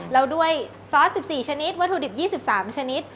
แล้วด้วยซอส๑๔ชนิดวัตถุดิบ๒๓ชนิด